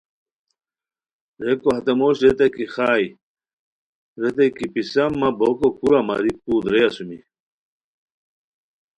ریکو ہتے موش ریتائے کی خائے ریتائے کی پِسہ مہ بوکو کوُرا ماری کوُ درے اسومی